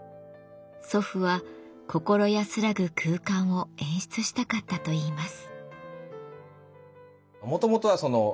祖父は心安らぐ空間を演出したかったといいます。